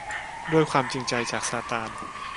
ด้วยความจริงใจ จากซาตาน